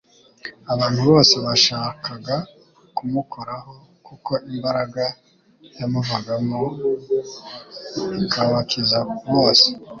abantu bose bashakaga kumukoraho kuko imbaraga yamuvagamo ikabakiza bose-."